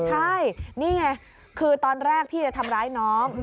ใช่นี่ไงคือตอนแรกพี่จะทำร้ายน้อง